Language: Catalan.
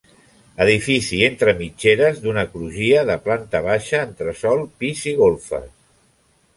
Edifici entre mitgeres d'una crugia, de planta baixa, entresòl, pis i golfes.